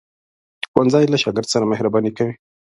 ښوونځی له شاګرد سره مهرباني کوي